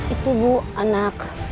itu bu anak